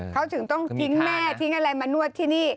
เขาถึงต้องทิ้งแม่ทิ้งอะไรมานวดที่นี่